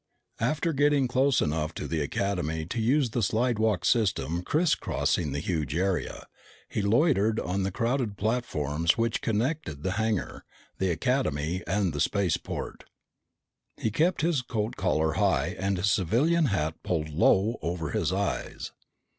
After getting close enough to the Academy to use the slidewalk system crisscrossing the huge area, he loitered on the crowded platforms which connected the hangar, the Academy, and the spaceport. He kept his coat collar high and his civilian hat pulled low over his eyes.